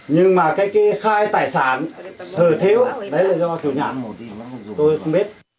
nhưng mà cái khai tài sản hơi thiếu đấy là do kiểu nhãn tôi không biết